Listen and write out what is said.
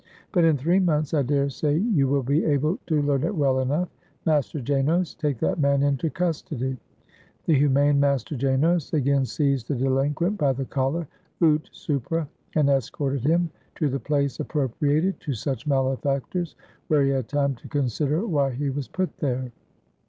"But in three months I dare say you will be able to learn it well enough. Master Janos, take that man into custody." The humane Master Janos again seized the delinquent by the collar, ut supra, and escorted him to the place appropriated to such malefactors, where he had time to consider why he was put there.